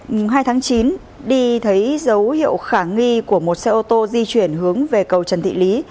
mùng hai tháng chín đi thấy dấu hiệu khả nghi của một xe ô tô di chuyển hướng về cầu trần thị lý